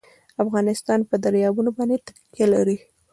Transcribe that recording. افغانستان په دریابونه باندې تکیه لري.